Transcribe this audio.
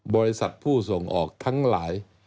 บริษัทผู้ส่งออกทั้งหลาย